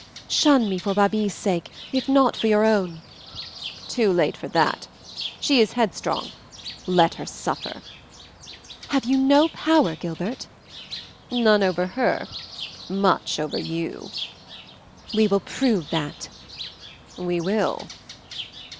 "Shun me for Babie's sake, if not for your own." "Too late for that; she is headstrong let her suffer." "Have you no power, Gilbert?" "None over her, much over you." "We will prove that!" "We will!"